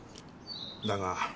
だが。